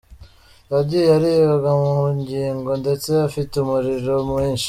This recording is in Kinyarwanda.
Yagiye aribwa mu ngingo ndetse afite umuriro mwinshi.